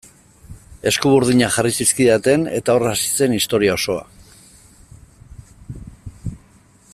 Eskuburdinak jarri zizkidaten eta hor hasi zen historia osoa.